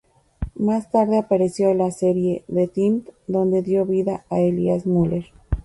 Más tarde apareció en la serie "The Team", donde dio vida a Elias Mueller.